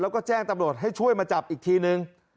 แล้วก็แจ้งตำรวจให้ช่วยมาจับอีกทีนึง